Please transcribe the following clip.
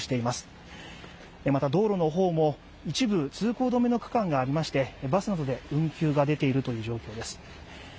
また、道路の方も一部通行止めの区間がありまして、バスなどで運休が出ているという状況です。